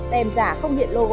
tem giả không hiện logo